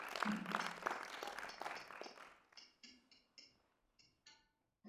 anaweza kutoa taarifa kupitia chombo chochote bila ya kujali mipaka ya nchi